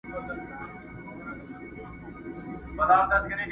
حقیقت به مو شاهد وي او د حق په مخکي دواړه،